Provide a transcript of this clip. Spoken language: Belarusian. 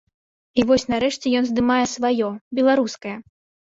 І вось, нарэшце, ён здымае сваё, беларускае.